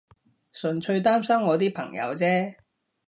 純粹擔心我啲朋友啫